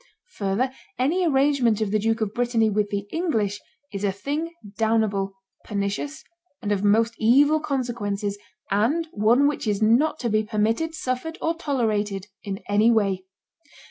Further, any arrangement of the Duke of Brittany with the English is a thing damnable, pernicious, and of most evil consequences, and one which is not to be permitted, suffered, or tolerated in any way.